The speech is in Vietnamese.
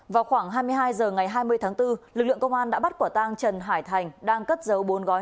vào khoảng hai mươi hai h ngày hai mươi tháng bốn lực lượng công an đã bắt quả tang trần hải thành đang cất giấu bốn gói